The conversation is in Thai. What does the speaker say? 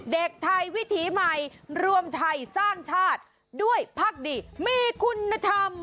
เด็กไทยวิถีใหม่รวมไทยสร้างชาติด้วยพักดีมีคุณธรรม